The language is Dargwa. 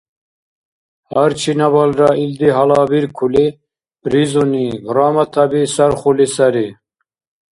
Гьар чинабалра илди гьалабиркули, призуни, Грамотаби сархули саби.